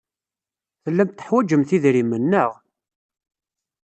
Tellamt teḥwajemt idrimen, naɣ?